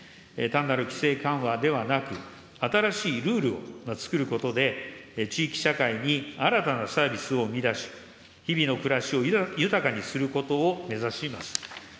単なる規制緩和ではなく、新しいルールをつくることで、地域社会に新たなサービスを生み出し、日々の暮らしを豊かにすることを目指します。